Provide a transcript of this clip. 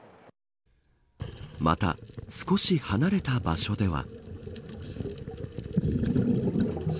また少し離れた場所では。